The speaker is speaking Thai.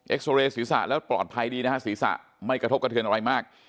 ซอเรย์ศีรษะแล้วปลอดภัยดีนะฮะศีรษะไม่กระทบกระเทือนอะไรมาก